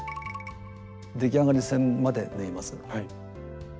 出来上がり線まで縫います。